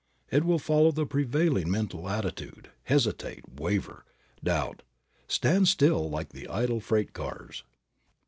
It will follow the prevailing mental attitude, hesitate, waver, doubt, stand still like the idle freight cars.